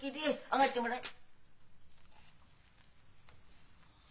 上がってもらえ。